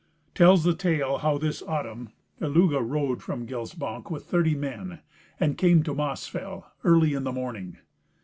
Tells the tale how this autumn Illugi rode from Gilsbank with thirty men, and came to Mossfell early in the morning.